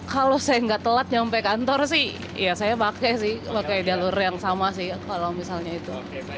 kalau saya nggak telat sampai kantor sih ya saya pakai sih pakai jalur yang sama sih kalau misalnya itu